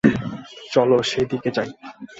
চল, সেদিকে যাই।